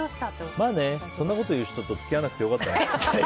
そんなこと言う人と付き合わなくてよかったね。